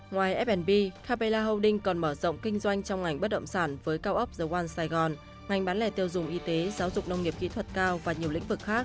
ngoài f b capella holding còn mở rộng kinh doanh trong ngành bất động sản với cao ốc the one saigon ngành bán lẻ tiêu dùng y tế giáo dục nông nghiệp kỹ thuật cao và nhiều lĩnh vực khác